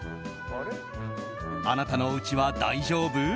あなたのおうちは大丈夫？